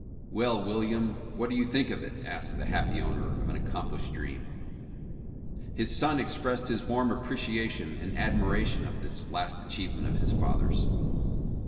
''Well, William, what do you think of it?'' asked the happy owner of an accomplished dream. His son expressed his warm appreciation and admira tion of this last achievement of his father's.